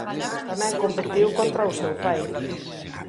Tamén competiu contra o seu pai.